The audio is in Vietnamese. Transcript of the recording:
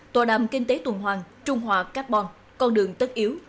tòa đàm kinh tế tuần hoàng trung hòa carbon con đường tất yếu